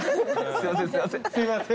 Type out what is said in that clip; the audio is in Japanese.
すいません。